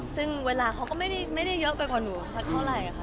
ซึ่งเวลาเขาก็ไม่ได้เยอะไปกว่าหนูสักเท่าไหร่ค่ะ